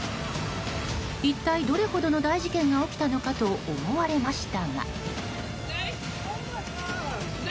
一体どれほどの大事件が起きたのかと思われましたが。